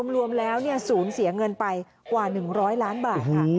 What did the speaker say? รวมแล้วศูนย์เสียเงินไปกว่า๑๐๐ล้านบาทค่ะ